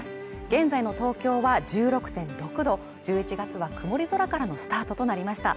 現在の東京は１６．６度１１月は曇り空からのスタートとなりました